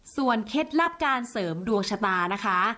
เคล็ดลับการเสริมดวงชะตานะคะ